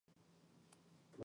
第 n 次導関数求めとけ。